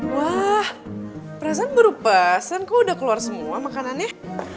wah perasaan berupasan kok udah keluar semua makanannya